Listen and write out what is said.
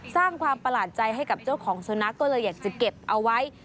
สร้างความประหลาดใจให้กับเจ้าของสุนัขก็เลยอยากจะเก็บเอาไว้